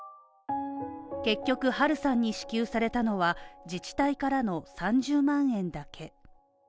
結局ハルさんに支給されたのは、自治体からの３０万円だけ。